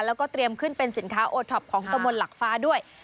แล้วก็เตรียมขึ้นเป็นสินค้าโอท็อปของตะมนต์หลักฟ้าด้วย